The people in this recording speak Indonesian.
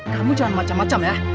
kamu jangan macam macam ya